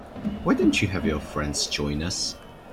Why don't you have your friends join us?